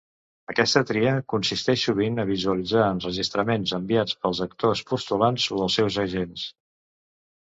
Aquesta tria consisteix sovint a visualitzar enregistraments enviats pels actors postulants o els seus agents.